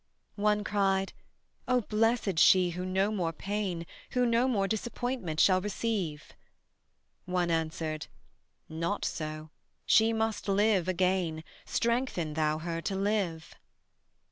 One cried: "O blessed she who no more pain, Who no more disappointment shall receive." One answered: "Not so: she must live again; Strengthen thou her to live."